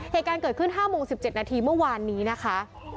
เหตุการณ์เกิดขึ้น๕โมง๑๗นาทีเมื่อวานนี้นะคะ